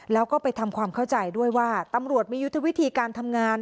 แล้วก็ไปทำความเข้าใจด้วยว่าตำรวจมียุทธวิธีการทำงาน